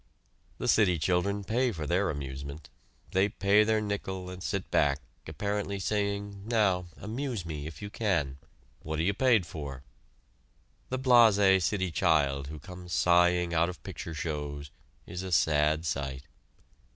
The city children pay for their amusement. They pay their nickel, and sit back, apparently saying: "Now, amuse me if you can! What are you paid for?" The blasé city child who comes sighing out of picture shows is a sad sight.